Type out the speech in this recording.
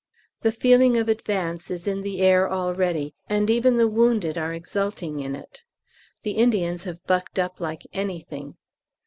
The feeling of Advance is in the air already, and even the wounded are exulting in it. The Indians have bucked up like anything.